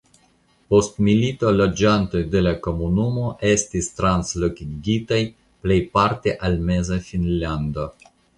Post milito loĝantoj de la komunumo estis translokigitaj plejparte al Meza Finnlando.